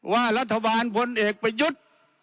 ว่ารัฐบาลพลเอกประยุทธ์